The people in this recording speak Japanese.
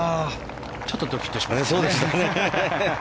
ちょっとドキッとしましたね。